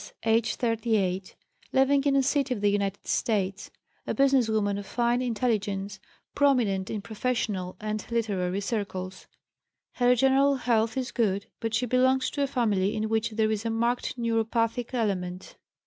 aged 38, living in a city of the United States, a business woman of fine intelligence, prominent in professional and literary circles. Her general health is good, but she belongs to a family in which there is a marked neuropathic element.